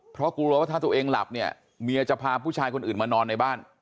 เพราะกลัวว่าถ้าตัวเองหลับเนี่ยเมียจะพาผู้ชายคนอื่นมานอนในบ้าน